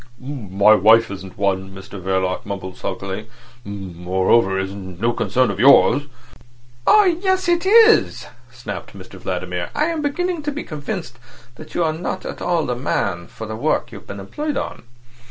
"My wife isn't one," Mr Verloc mumbled sulkily. "Moreover, it's no concern of yours." "Oh yes, it is," snapped Mr Vladimir. "I am beginning to be convinced that you are not at all the man for the work you've been employed on.